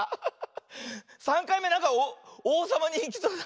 ３かいめなんかおうさまにいきそうだったよね。